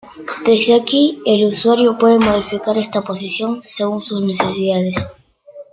Desde aquí el usuario puede modificar esta posición según sus necesidades.